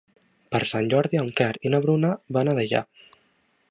Per Sant Jordi en Quer i na Bruna van a Deià.